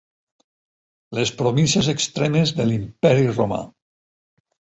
Les províncies extremes de l'imperi Romà.